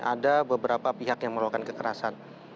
ada beberapa pihak yang melakukan kekerasan